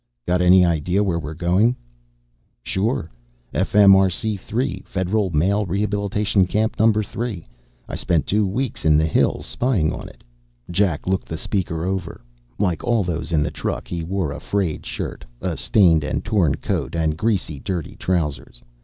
"Got any idea where we're going?" "Sure. F.M.R.C. 3. Federal Male Rehabilitation Camp No. 3. I spent two weeks in the hills spying on it." Jack looked the speaker over. Like all those in the truck, he wore a frayed shirt, a stained and torn coat, and greasy, dirty trousers.